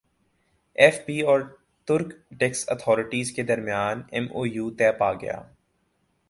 F B اور ترک tax authorities کے درمیان ایم او یو طے پاگیا